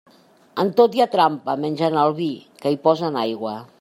En tot hi ha trampa, menys en el vi, que hi posen aigua.